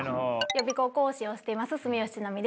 予備校講師をしています住吉千波です。